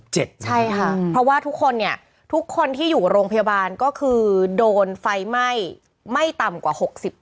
ใช่ค่ะเพราะว่าทุกคนเนี่ยทุกคนที่อยู่โรงพยาบาลก็คือโดนไฟไหม้ไม่ต่ำกว่า๖๐